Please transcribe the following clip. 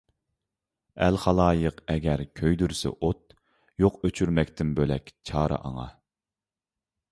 ئەل - خالايىق ئەگەر كۆيدۈرسە ئوت، يوق ئۆچۈرمەكتىن بۆلەك چارە ئاڭا.